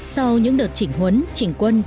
sau những đợt chỉnh huấn chỉnh quân